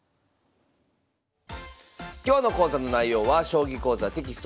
今日の講座の内容は「将棋講座」テキスト